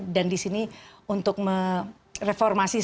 dan di sini untuk mereformasikan